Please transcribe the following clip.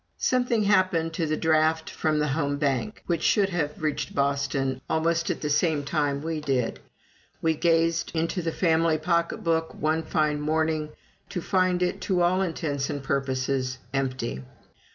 Something happened to the draft from the home bank, which should have reached Boston almost at the same time we did. We gazed into the family pocket book one fine morning, to find it, to all intents and purposes, empty.